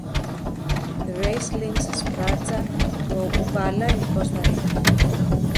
The race links Esparza to Upala, in Costa Rica.